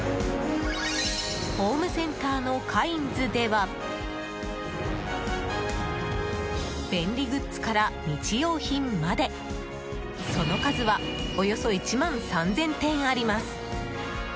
ホームセンターのカインズでは便利グッズから日用品までその数はおよそ１万３０００点あります。